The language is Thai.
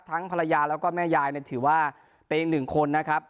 ทั้งภรรยาและแม่ยายถือว่าเป็นอีกหนึ่งคนนะครับ